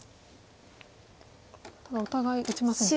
ただお互い打ちませんね。